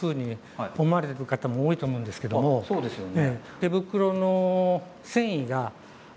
そうですよね。